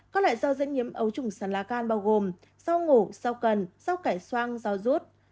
có loại rau dế nhiễm ấu trùng sán lá gan bao gồm rau ngổ rau cần rau cải xoang rau rút